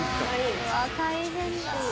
「うわ大変だ。